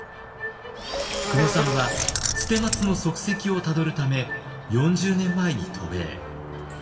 久野さんは捨松の足跡をたどるため４０年前に渡米。